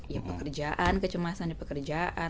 ya pekerjaan kecemasan di pekerjaan